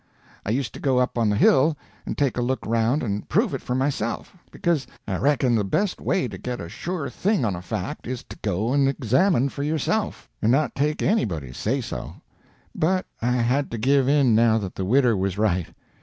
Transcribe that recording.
I used to go up on the hill, and take a look around and prove it for myself, because I reckon the best way to get a sure thing on a fact is to go and examine for yourself, and not take anybody's say so. But I had to give in now that the widder was right.